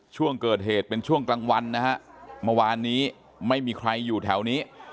ช่วงเกิดเหตุเป็นช่วงกลางวันนะฮะเมื่อวานนี้ไม่มีใครอยู่แถวนี้